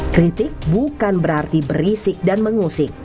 kritik bukan berarti berisik dan mengusik